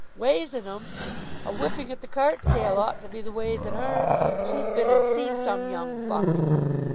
"Ways on 'em! A whipping at the cart tail ought to be the ways on her. She's been and seen some young buck."